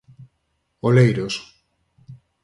Oleiros.